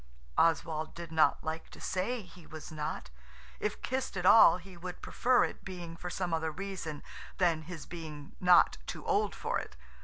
Oswald did not like to say he was not. If kissed at all he would prefer it being for some other reason than his being not too old for it.